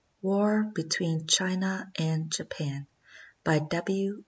WAR BETWEEN CHINA AND JAPAN BY W.